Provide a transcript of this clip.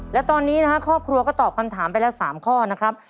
และตอนนี้นะครับครอบครัวก็ตอบคำถามไปแล้ว๓ข้อนะครับ